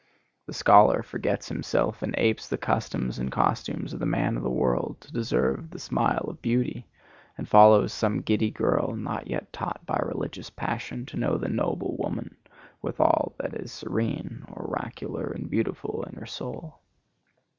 The scholar forgets himself and apes the customs and costumes of the man of the world to deserve the smile of beauty, and follows some giddy girl, not yet taught by religious passion to know the noble woman with all that is serene, oracular and beautiful in her soul.